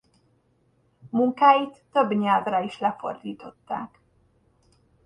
Munkáit több nyelvre is lefordították.